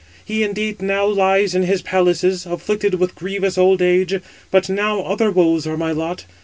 He, indeed, now lies in his palaces, afflicted with grievous old age; but now other [woes] are my lot.